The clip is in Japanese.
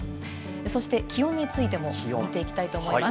そして気温についても見ていきたいと思います。